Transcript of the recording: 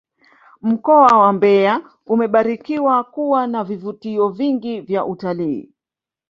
mkoa wa mbeya umebarikiwa kuwa na vivutio vingi vya utalii